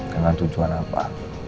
dengan tujuan apa